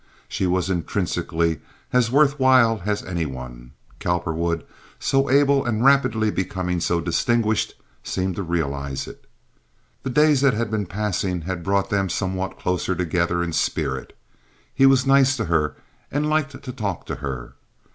She was intrinsically as worth while as any one. Cowperwood, so able, and rapidly becoming so distinguished, seemed to realize it. The days that had been passing had brought them somewhat closer together in spirit. He was nice to her and liked to talk to her.